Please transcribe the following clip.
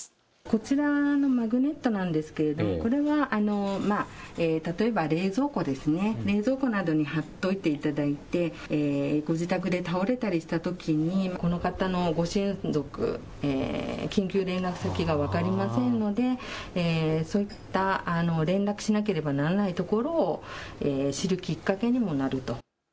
こちらのマグネットなんですけれどこれは、例えば冷蔵庫などに貼っておいていただいて、ご自宅で倒れたりしたときにこの方のご親族、緊急連絡先が分かりませんのでそういった連絡しなければならないところを知るきっかけにもなると。